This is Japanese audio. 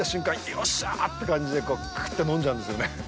よっしゃーって感じでクーっと飲んじゃうんですよね。